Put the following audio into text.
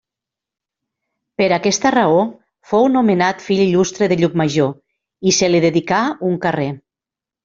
Per aquesta raó fou nomenat fill il·lustre de Llucmajor i se li dedicà un carrer.